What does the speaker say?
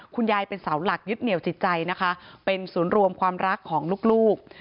ยายเป็นเสาหลักยึดเหนียวจิตใจนะคะเป็นศูนย์รวมความรักของลูก